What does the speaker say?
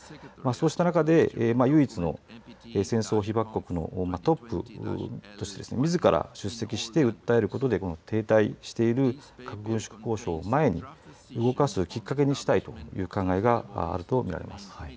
そうした中で唯一の戦争被爆国のトップとしてですねみずから出席して訴えることでこの停滞している核軍縮を前に動かすきっかけにしたいという考えがあると見られます。